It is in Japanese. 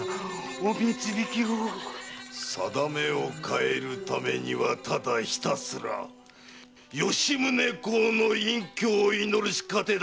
運命を変えるためにはただひたすら吉宗公の隠居を祈るしか手だてはあるまい！